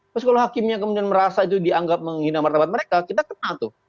terus kalau hakimnya kemudian merasa itu dianggap menghina martabat mereka kita kena tuh